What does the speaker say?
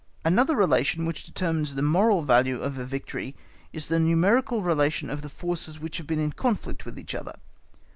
Another relation which determines the moral value of a victory is the numerical relation of the forces which have been in conflict with each other.